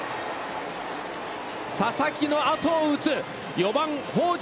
佐々木の後を打つ、４番北條！